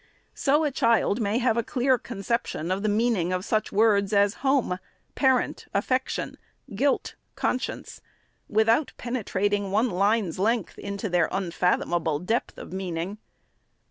So a child may have a clear conception of the meaning of such words as home, parent, affection, guilt, conscience, without penetrating one line's length into their unfathomable depth of meaning.